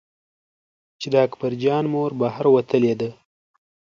چې د اکبر جان مور بهر وتلې وه.